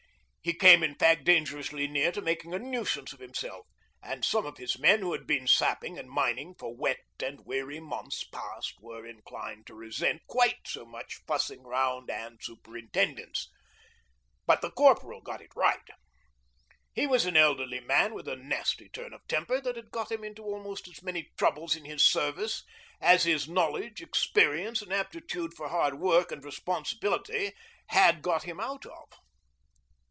He came in fact dangerously near to making a nuisance of himself, and some of his men who had been sapping and mining for wet and weary months past were inclined to resent quite so much fussing round and superintendence. But the Corporal put that right. He was an elderly man with a nasty turn of temper that had got him into almost as many troubles in his service as his knowledge, experience, and aptitude for hard work and responsibility had got him out of.